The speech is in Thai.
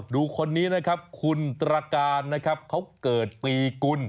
ดูคนนี้นะครับคุณตรการนะครับเขาเกิดปีกุล